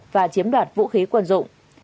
và chiếm đoạt vũ khí quân dụng